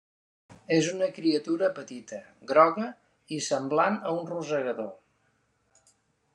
És una criatura petita, groga i semblant a un rosegador.